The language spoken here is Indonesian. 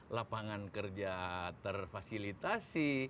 lapangan kerja terfasilitasi